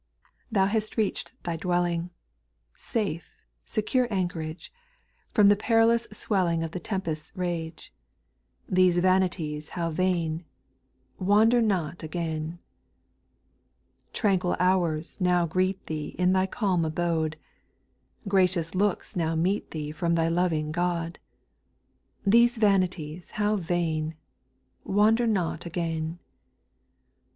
Thou hast reach'd thy dwelling, Safe, sure anchorage. From the perilous swelling Of the tempest's rage. These vanities how vain 1 Wander not again. 4 Tranquil hours now greet thee In thy calm abode ; Gracious looks now meet thee From thy loving God. These vanities how vain ! Wander not again. 5.